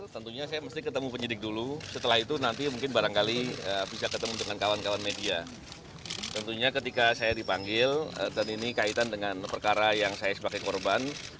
saya berkepentingan untuk memberikan keterangan